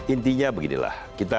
intinya beginilah kita